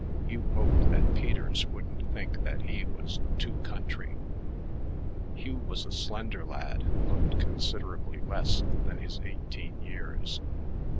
Hugh hoped that Peters wouldn't think that he was too country.... Hugh was a slender lad who looked considerably less than his eighteen years.